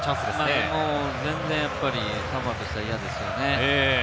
まだ全然サモアとしては嫌ですよね。